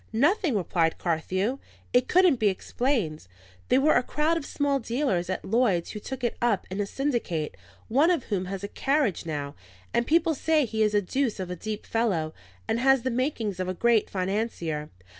"Nothing," replied Carthew. "It couldn't be explained. They were a crowd of small dealers at Lloyd's who took it up in syndicate; one of them has a carriage now; and people say he is a deuce of a deep fellow, and has the makings of a great financier.